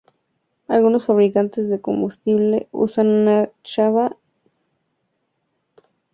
Algunos fabricantes de consumibles usan una chapa cóncava para conseguir el mismo efecto.